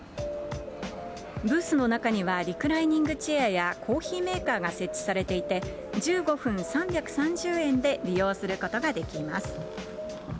ブースの中には、リクライニングチェアや、コーヒーメーカーが設置されていて、１５分３３０円で利用することができます。